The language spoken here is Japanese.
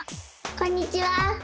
こんにちは！